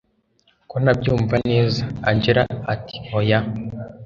ko ntabyumva neza angella ati hoya